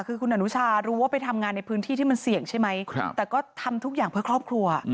คือคุณอนุชารู้ว่าไปทำงานในพื้นที่ที่มันเสี่ยงใช่ไหมแต่ก็ทำทุกอย่างเพื่อครอบครัว